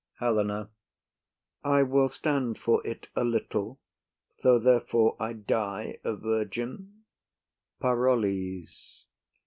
HELENA. I will stand for't a little, though therefore I die a virgin. PAROLLES.